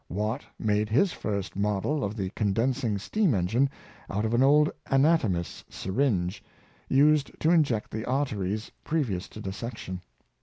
Watt made his first model of the condensing steam engine out of an old anatomist's syringe, used to inject the arteries previous to dissection.